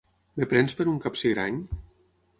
Em prens per un capsigrany?